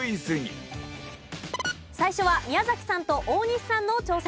最初は宮崎さんと大西さんの挑戦です。